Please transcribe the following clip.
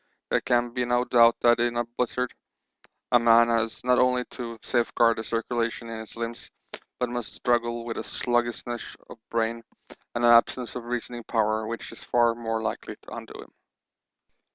There can be no doubt that in a blizzard a man has not only to safeguard the circulation in his limbs, but must struggle with a sluggishness of brain and an absence of reasoning power which is far more likely to undo him.